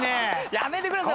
やめてください！